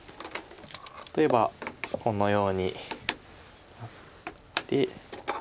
例えばこのようになって。